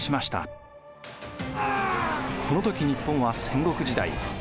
この時日本は戦国時代。